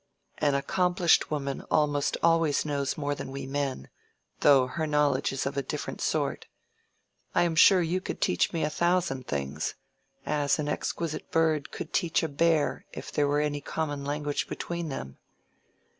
"An accomplished woman almost always knows more than we men, though her knowledge is of a different sort. I am sure you could teach me a thousand things—as an exquisite bird could teach a bear if there were any common language between them.